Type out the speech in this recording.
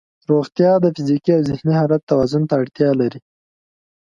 روغتیا د فزیکي او ذهني حالت توازن ته اړتیا لري.